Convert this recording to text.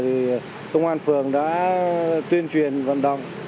thì công an phường đã tuyên truyền vận động